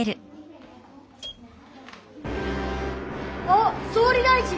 あっ総理大臣。